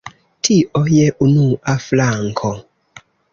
Tio je unua flanko.